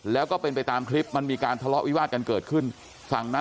แล้วก็เป็นไปตามคลิปมันมีการทะเลาะวิวาดกันเกิดขึ้นฝั่งนั้น